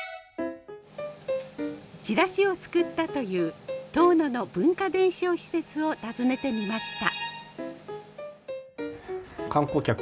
チラシを作ったという遠野の文化伝承施設を訪ねてみました。